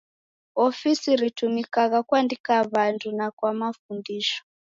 Ofisi ritumikagha kuandika w'andu na kwa mafundisho.